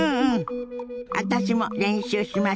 私も練習しましょ。